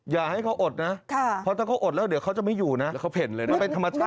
อย่าให้เขาอดน่ะถ้าเขาอดแล้วเดี๋ยวเขาจะไม่อยู่นะเป็นธรรมชาติคนนะจริงฮะ